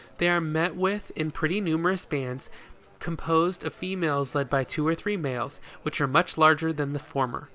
They are met with in pretty numerous bands composed of females led by two or three males, which are much larger than the former.